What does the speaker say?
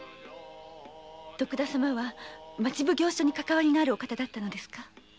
徳田様は町奉行所にかかわりのあるお方だったのですか？